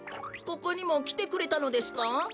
ここにもきてくれたのですか？